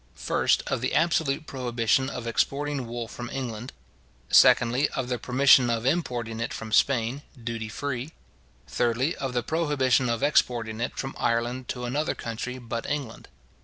First, of the absolute prohibition of exporting wool from England: secondly, of the permission of importing it from Spain, duty free: thirdly, of the prohibition of exporting it from Ireland to another country but England.